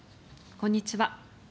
こんにちは。